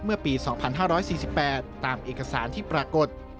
เมื่อปี๒๕๔๘ตามเอกสารที่ปรากฏ